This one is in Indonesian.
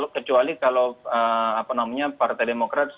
kecuali kalau partai demokrat